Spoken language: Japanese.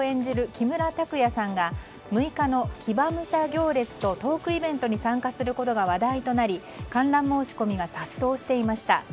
木村拓哉さんが６日の騎馬武者行列とトークイベントに参加することが話題となり観覧申し込みが殺到していました。